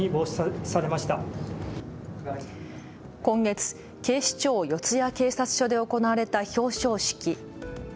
今月、警視庁四谷警察署で行われた表彰式。